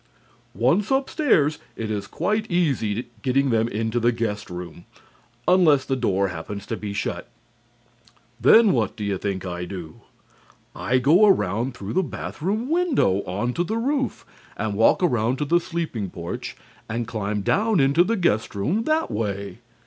"Once upstairs, it is quite easy getting them into the guest room, unless the door happens to be shut. Then what do you think I do? I go around through the bath room window onto the roof, and walk around to the sleeping porch, and climb down into the guest room that way.